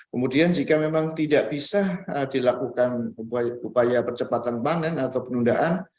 kemudian jika memang tidak bisa dilakukan upaya percepatan panen atau penundaan